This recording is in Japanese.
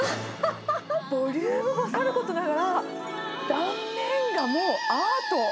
ボリュームもさることながら、断面がもうアート。